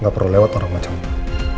gak perlu lewat orang macam macam